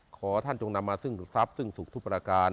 ขอท่านจงนำมาซึ่งทรัพย์ซึ่งสุขทุกประการ